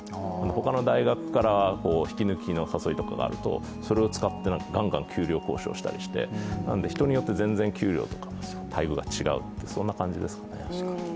他の大学から引き抜きの誘いとかがあるとそれを使ってガンガン給料交渉したりして人によって全然給料とか待遇が違う、そんな感じですかね。